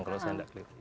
kalau saya tidak klip